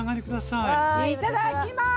いただきます！